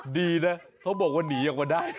ดีนะเขาบอกว่าหนีออกมาได้